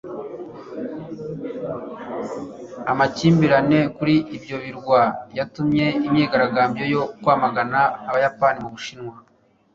amakimbirane kuri ibyo birwa yatumye imyigaragambyo yo kwamagana abayapani mu bushinwa